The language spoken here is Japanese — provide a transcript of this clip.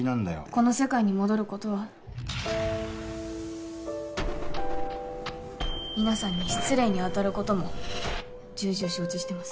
この世界に戻ることは皆さんに失礼にあたることも重々承知してます